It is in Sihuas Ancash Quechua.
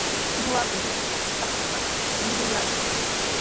Ñuqakunami kay trakratraw muruyaashaq.